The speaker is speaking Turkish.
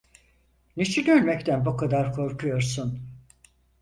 Niçin ölmekten bu kadar korkuyorsun?